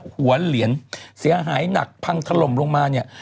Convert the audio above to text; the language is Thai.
หัวเหรียญเสียหายหนักพังถล่มลงมาเนี่ย